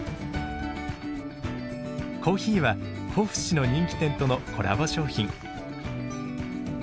コーヒーは甲府市の人気店とのコラボ商品。